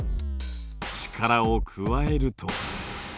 力を加えると。